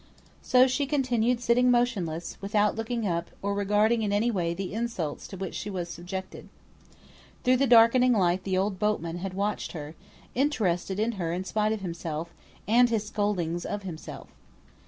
So she continued sitting motionless, without looking up, or regarding in any way the insults to which she was subjected. Through the darkening light the old boatman had watched her: interested in her in spite of himself, and his scoldings of himself.